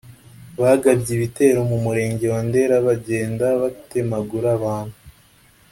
bagabye ibitero mu murenge wa Ndera bagenda batemagura abantu